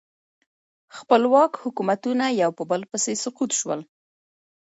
خپلواک حکومتونه یو په بل پسې سقوط شول.